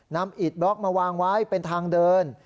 อิดบล็อกมาวางไว้เป็นทางเดิน